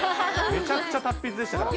めちゃくちゃ達筆でしたから。